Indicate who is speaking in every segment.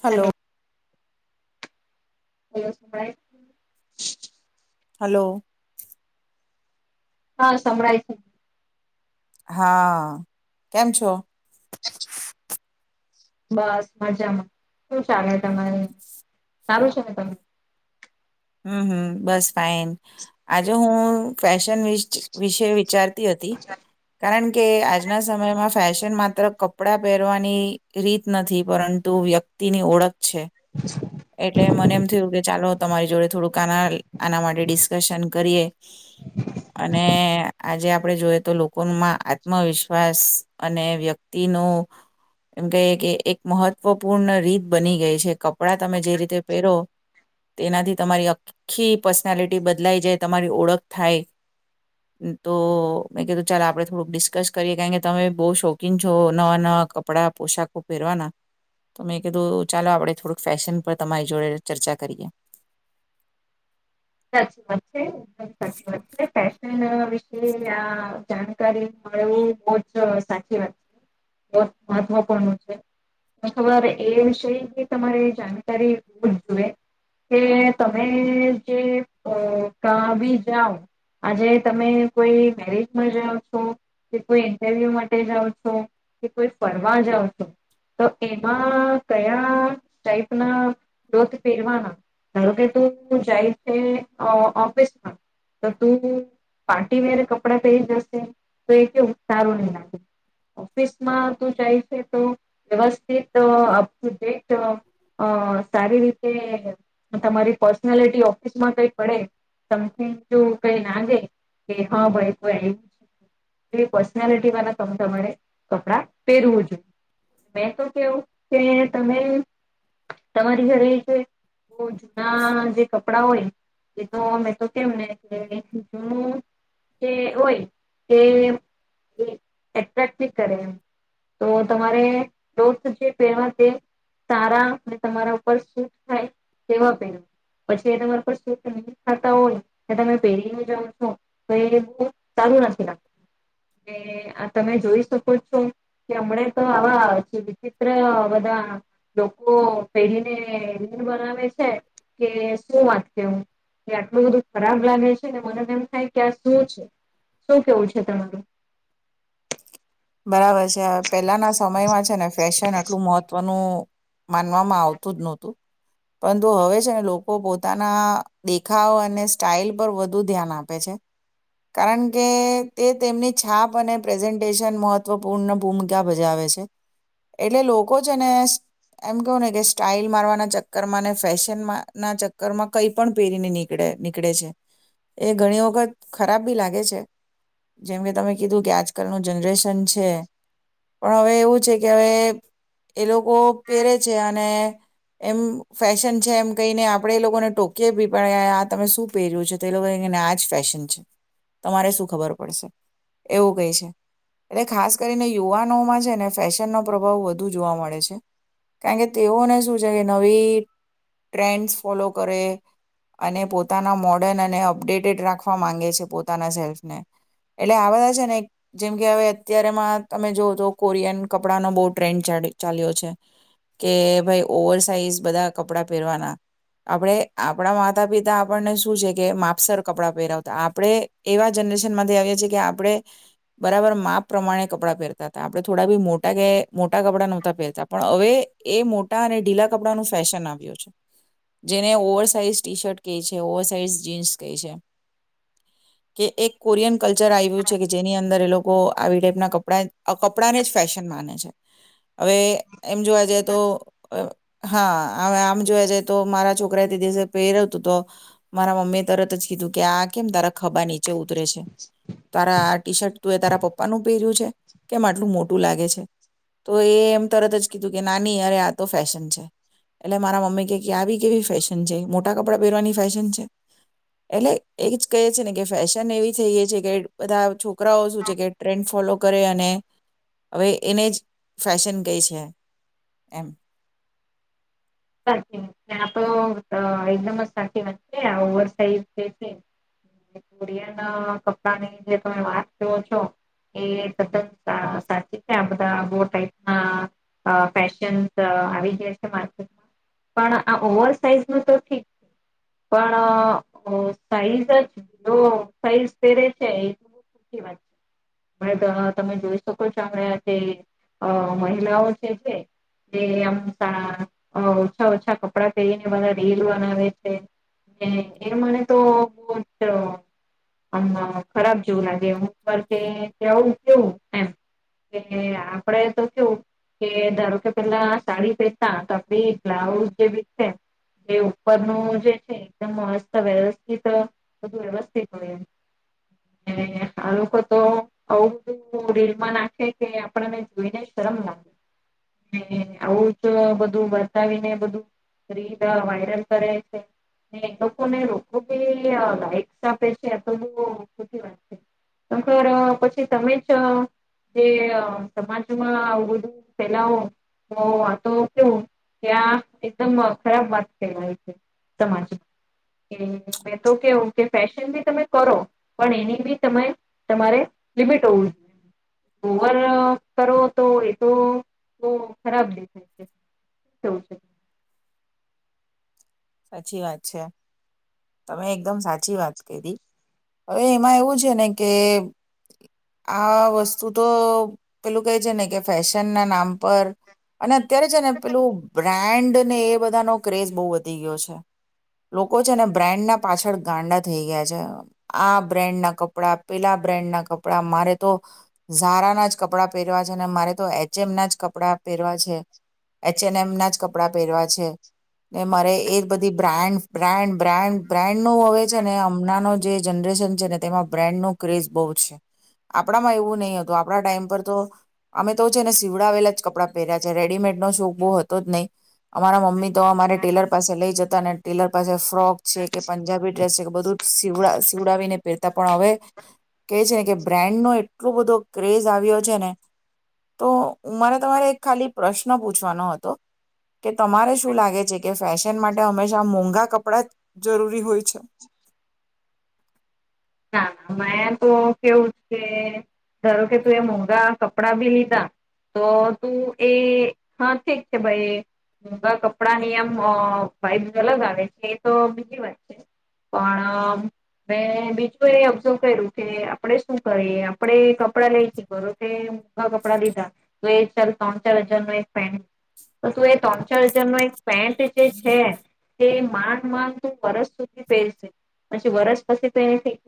Speaker 1: ચાલો.
Speaker 2: Hello hello [inaudible]
Speaker 1: hello.
Speaker 2: હા સંભરાય છે.
Speaker 1: હા કેમ છો?
Speaker 2: [inaudible] બસ મજામાં. શું ચાલે? તમારે. સારું છે તમે?
Speaker 1: હમ્મ હમ્મ બસ ફાઈન આજે હું ફશ ન વિશે વિચારતી હતી કારણ કે આજના સમયમાં ફેશન માત્ર કપડાં પહેરવાની રીત નથી પરંતુ વ્યક્તિની ઓળખ છે. એટલે મને એમ થયું કે ચાલો તમારી જોડે થોડુંક આના આના માટે ડિસ્કશન કરીએ. અને આજે આપણે જોઈએ તો લોકોમાં આત્મવિશ્વાસ અને વ્યક્તિ નુ એમ કહીએ કે એક મહત્વપૂર્ણ રીત બની ગઈ છે. કપ કડા તમે જે રીતે પહેરો. તેનાથી તમારી આખી પર્સનાલિટી બદલાઈ જાય તમારી ઓળખ થાય તો મેં કીધું ચાલો આપણે થોડુંક ડિસ્કસ કરીએ કારણ કે તમે બહુ શોખીન છો નવા નવાં કપડાં પોશાકો પહેરવાના તો મેં કીધું ચાલો આપણે થોડુંક ફેશન પર તમારી જોડે ચર્ચા કરીએ.
Speaker 2: સાચી વાત છેમ સાચી વાત છે ફેશન વિશે આ જાણકારી મળવું બહ જ સાચી વાત છે બ જ મહત્વપૂર્ણ છે ખબર એ વિષ તમારે જાણકારી હોવું જ જોઈએ કે તમે ત બી જાઓ આજે તમે કોઈ મેરેજમાં જાઓ છો કે કોઈ ઇન્ટરવ્યુ માટે જાઓ છો કે કોઈ ફરવા જાઓ છો તો એમાં કયા ટાઈપ ના ગ્રોથ પહેરવાના ધારો કે તું જય તે અ ઓફિસ માં તું પાર્ટીવેર કપડા પરી જશે તો એ કેવું સારું નહી લાગે, ઓફિસમાં તું જાય છે તો વ્યવસ્થિત અપ ટુ ડેટ અ સારી રીતે તમારી પર્સનાલિટી [unintelligible] કય પડે સમિંગ જો કઈ નાગે કે હા ભાઈ કોઈ આવ્યું છે પર્સનાલિટી વાળ તમારે કપડા પહેરવું જોઈએ મેં તો કેવું કે તમે તમારી ઘરે છે જૂના જે કપડાં હોય એ તો અમે તો કેમને કે જૂનું જે હોય તે એટ્રેક્ટ ની કરે એમ તો તમારે [unintelligible] પહેરવા સારા અને તમારા ઉપર સટ થાય તેવા પહેર. પછી એના ઉપર શૂટ નહીં થતા હોય ને તમે પહેરીને જાવ છો તો એ હું સારું નથી લાગતુ ને આ તમે જોઈ શકો છો કે હમણા તો આવા વિચિત્ર બધા લોકો પહેરીને રીણ બનાવે છે કે શું વાત કેવું. એ આટલું બધું ખરાબ લાગે છે ને મને એમ થાય કે આ શું છે. શું કેવું છે તમારું?
Speaker 1: બરાબર છે પહેલાંના સમયમાં છે ને ફેશન આટલું મહત્ત્વનું માનવામાં આવતું જ નહોતું પરંતુ હવે છે ને લોકો પોતાના દેખાવ અને સ્ટાઈલ પર વધુ ધ્યાન આપે છે. કારણ કે તે તેમની છાપ અને પ્રેઝન્ટેશન મહત્વપૂર્ણ ભૂમિકા ભજાવે છે. એટલે લોકો છે ને એમ કેવું ને કે સ્ટાઈલ મારવાના ચક્કર માં ને ફેશન ના ચક્કર માં કઈ પણ પહેરીને નીકળે નીકળે છે. એ ઘણી વખત ખરાબ બી લાગે છે જેમકે તમે કીધું કે આજકાલનું જનરેશન છે પણ હવે એવું છે કે હવે એ લોકો પહેરે છે અને એમ ફેશન છે એમ કહીને આપ આપણે એ લોકોને ટોકી ભી પડ આ તમે શું પહેર્યું છે તો એ લોકોને આજ ફેશન છે તમારે શું ખબર પડશે એવું કઈ છે. એટલે ખાસ કરીને યુવાનોમાં છે ને ફેશનનો પ્રભાવ વધુ જોવા મળે છે કારણ કે તેઓને શું છે કે નવી ટ્રેન્ડસ ફોલો કરે અને પોતાના મોડર્ન અને અપડેટેડ રાખવા માંગે છે પોતાના સેલ્ફને એટલે આ બધા છે ને જેમકે હવે અત્યારેમાં તમે જોવઓ તો કોરિયન કપડાનો બહુ ટ્રેન્ડ ચાલ્યો છે કે ભાઈ ઓવર સાઇઝ બધા કપડાં પહેરવાના આપણે આપણા માતા પિતા આપણને શું છે કે માપસર કપડાં પહેરવતા આપણે એવા જનરેશન માંથી આવીએ છીએ કે આપણે બરાબર માપ પ્રમાણે કપડાં પહેરતા હતા આપણે થોડા બી મોટા કે મોટા કપડા નહોતા પહેરતા પણ હવે એ મોટા અને ઢીલા કપડા ન ફેશન આવ્યું છે જેને ઓવર સાઇઝ ટી શર્ટ કહી છે. ઓવર સાઇઝ જીન્સ કહી છે. કે એક કોરિયન કલ્ચર આવ્યું છે, કે જેની અંદર એ લોકો આવી ટાઈપના કપડા કપડાને જ ફેશન માને છે. હવે એમ જોવા જાય તો [unintelligible] હા આ આમ જોયા જાય તો મારા છોકરા એ તે દિવસે પહેરવતું તો મારા મમ્મી એ તરત જ કીધું કે આ કેમ તારા ખબાની ચે ઉતરે છે. તારા આ ટીશર્ટ તું એ તારા પપ્પાનું પહેર્યું છે. કેમ આટલું મોટું લાગે છે, તો એ એમ તરત જ કીધું કે નાની અરે આ તો ફેશન છે, એટલે મારા મમ્મી કે કે આવી કેવી ફેશન છે, મોટા કપડા પહેરવાની ફેશન છે. એટલે એ જ કહે છે, ને કે ફેશન એવી થઈ ગઈ છે, કે બધા છો રાઓ શું છે, કે ટ્રેન્ડ ફોલો કરે હવે એને જ ફેશન ક છે, એમ.
Speaker 2: સાચી આપ એકદમ જ સાચી વાત છે, આ ઓવર સાઇઝ જે છે, કોરિયન કપડાની જે તમે વાત કરો છો એ તદ્દન સાચી છે, આ બધા બો ટાઈપ ના ફેશન આવી જાય છે. પણ આ ઓવર સાઇઝ ન તો ઠીક છે, પણ સાઈઝ જ લો સાઈઝ પેરે છે, એ બી વાત છે, તમે જોઈ શકો છો અણા જે અ મહિલાઓ છે, જે આમ અ ઓછા ઓછા કપડાં પહેરીને બધા રીલ બનાવે છે, ને એ મને તો બહ જ આમ ખરાબ જેવું લાગે હુંર કે કેવું એમ કે આપડે તો કેવું કે ધારો કે પેલા સાડી પહેરતા બી બ્લાઉઝ જે બી છે, એ ઉપરનું જે છે, એકદમ મસ્ત વ્યવસ્થિત બધું વ્યવસ્થિત હોય એ આ લોકો તો આવું બધું રીલમાં નાખે કે આપણેને જોઈને શરમ લાગે આવું જું બતાવીને બધું રીલ વાયરલ કરે છે, ને એ લોકોને લ આપે છે, આ તો બ ખી વાત છેર પછી તમે જ જે સમાજમાં આવ બધું ફેલાવો આ તો કેઉ કે આ એકદમ ખરાબ વાત થવાય છે તમારી સમાજમાં કે મે તો કેવું કે ફેશન બી તમે કરો પણ એની બી તમે તમારે મર્યાદા હો જોઈએ ઓવર કરો તો એ તો બહ ખરાબ દેખાય છે. [unintelligible]
Speaker 1: સાચી વાત છે, તમે એકદમ સાચી વાત કધી હવે એમાં એવું છે, ને કે આ વસ્તુ તો પેલું કહે છે, ને કે ફેશન ના નામ પર અને તત્યારે છેને પેલું બ્રાન્ડ ને એ બધા નો ક્રેઝ બહુ વધી ગયો છે લોકો છે, ને બ્રાન્ડ ના પાછળ ગાંડા થઈ ગયા છે, આ બ્રેન્ડ ના કપડા પેલા બ્રન્ડ ના કપડા મારે તો ઝારાના જ કપડાં પહેરવા છે, મારે તો એચ એમ ના જ કપડા પહેરવા છે, એચ એન એમ ના જ કપડાં પહેરવા છે. ને મારે એ જ બધી બ્રાન્ડ બ્રાન્ડ બ્રાન્ડ બ્રાન્ડ નું હવે છે, ને હમણાં ન જે જનરેશન છે, ને તેમાં બ્રાન્ડ ન ક્રેઝ બહુ છે, આપણામાં એવું નહીં હતું આપણા ટાઈમ પર તો અમે તો છે, ને સીવડાવેલા જ કપડાં પહેર્યા છે, રેડીમેડ નો શોક બહુ હતો જ નહીં અમારા મમ્મી તો અમારે ટેલર પાસે લઈ જતા અને ટટેલર પાસે ફ્રોક છે, કે પંજાબી ડ્રેસ છે, કે બધું જ સીવડાવીને પહેર પણ હવે કે છે, ને કે બ્રાન્ડ નો એટલો બધો ઘેલછા આવ્યો છેને તોમારે તમારે એક ખાલી પ્રશ્ન પૂછવાનો હતો કે તમારે શું લાગે છે, કે ફેશન માટે હંમેશા મોંઘા કપડા જરૂરી હોય છે.
Speaker 2: ના મેં તો કેવું છે, કે ધારો કે તું એ મોંઘા કપડા બી લીધા તો તું એ હા ઠીક છે, ભાઈ મોંઘા કપડા ની આમ ભાઈ બ અલગ આવે છે, એ તો બીજી વાત છે, પણ મે બીજું એને ઓબ્ઝર્વ કર્યું કે આપડણે શું કરીએ આપણે કપડા લઈ શી કરું કે કપડા લીધા તું એ ચાલ ત્રણ ચાર હજાર નો એક ફે તું એ ત્રણ ચાર હજાર નો એક [inaudible] પેન્ટ જે છે, તે માન માન તો વરસ સુધી પહેરશે પછી વરસ પછી પહેર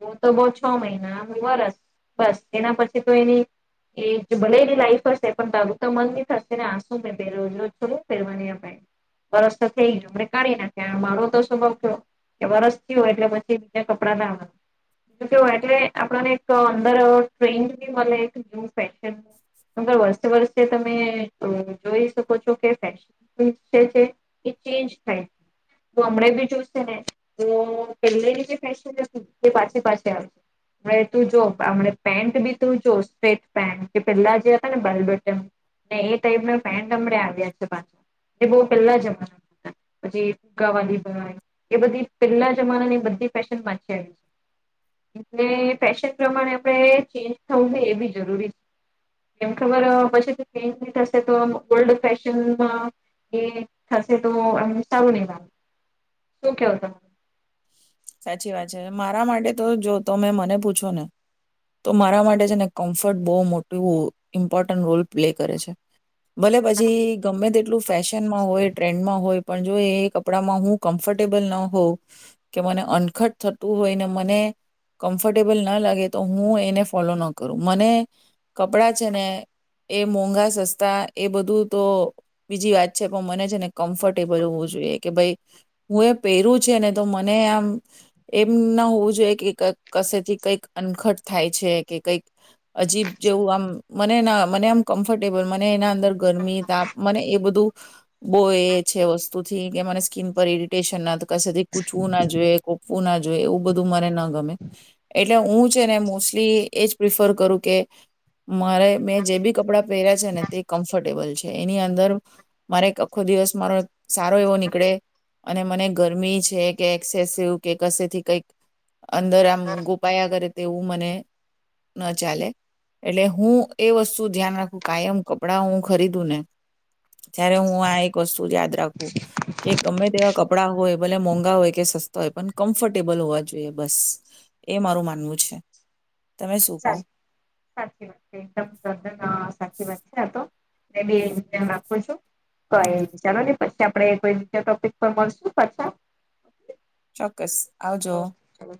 Speaker 2: હું તો બઉ છ મહિનામ વરસ બસ એના પછી તો એની એ ભલેલી લાઈફ હશે પણ તારું તો મન ની થશે ને આસું મેં રજ રોજ છોું ફેરવાની વરસ તો થઈ ગયું હમને કાઢી નાખ્યા મારો તો સ્વભાવ થયો કે વરસ થયો એટલે પછી કપડા ધવા કે એટલે આપણને એક અંદર ટ્રેન્ડ બી મળે એક ન્યુ ફેશનર વર્ષ વર્ષે તમે જોઈ શકો છો કે ફેશન જે છે, એ ચેન્જ થાય છે, તો હમ બી જોશે ને તો પ [inaudible] પાછ પાછ આવ હ તું જોમ પેન્ટ બી તું જો સ્ટટ પેન્ટ કે પેલા જે હતા ને બેલ બટન ને એ ટાઈપ ના પેન્ટ અમ આવ્યા છે, પાછા બહ પેલા જમાના હતા પછી ફગાવાલી ભાઈ એ બધી પેલા જમાના ની બધી [inaudible] ેશન છે, એ ફેશન પ્રમાણે આપણે ચેન્જ થવું છે, એ બી જરૂરી છે, એમ ખબર પછી ચેન્જ ન થશે તો ઓલ્ડ ફેશનમાં એ થશે તો એમ સારું નહી લાગે શું કેવું તમા
Speaker 1: સાચી વાત છે, મારા માટે તો જો તમે મને પૂછો ને તો મારા માટે છે, ને કમ્ફર્ટ તો બહુ મોટું મહત્વપૂર્ણ ભૂમિકા પ્લે કરે છે, ભલે પછી ગમે તેટલું ફેશન માં હોય ટ્રેન્ડમાં હોય પણ જો એ કપડામાં હું કમ્ફર્ટેબલ ન હોઉં. કે મને અનખટ થતું હોય ને મને કમ્ફર્ટેબલ ના લાગે તો હું એને ફોલો ન કરું. મને કપડાં છે ને એ મોંઘા સસ્તા એ બધું તો બીજી વાત છે. પણ મને છે ને કમ્ફર્ટેબલ હોવું જોઈએ કે ભાઈ હું એ પહેરું છે ને તો મને આમ એમ ના હોવું જોઈએ કે કશેથી કંઈક અનખટ થાય છે. કે કંઈક અજીબ જેવું આમ મને ના મને આમ કમ્ફર્ટેબલ મને એના અંદર ગરમી તાપ મને એ બધું બહુ એ છે વસ્તુથી કે મને સ્કીિન પર ઇરિટેશન ના તો કથી કૂછવું ના જોઈએ, કોપવું ના જોઈએ એવું બધું મને ના ગમે. એટલે હું છે ને મોસ્ટલી એ જ પ્રિફર કરું કે મારે મેં જે બી કપડાં પહેર્યા છે ને તે કમ્ફર્ટેબલ છે. એની અંદર મારે આખો દિવસ મારો સારો એવો નીકળે. અને મને ગરમી છે છે કે એક્સેસિવ કે કશેથી કંઈક. અંદર આમ ગોપાયા કરે. તેવું મને ન ચાલે એટલે. હું એ વસ્તુ ધ્યાન રાખું કાયમ કપડાં હું ખરીદું ને ત્યારે હું આ એક વસ્તુ યાદ રાખું કે ગમે તેવા કપડાં હોય ભલે હોય કે સસ્તા હોય પણ કમ્ફર્ટેબલ હોવા જોઈએ બસ. એ મારું માનવું છે. તમે શું કહો
Speaker 2: [inaudible] [inaudible]
Speaker 1: ચોક્કસ આવજો.
Speaker 2: ઓકે ચાલો